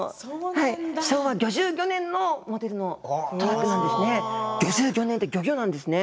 昭和ギョジュウギョ年のモデルのトラックなんですね。